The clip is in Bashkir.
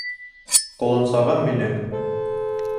— Ҡолонсағым минең!